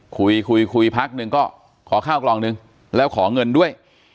คุยคุยคุยพักหนึ่งก็ขอข้าวกล่องหนึ่งแล้วขอเงินด้วย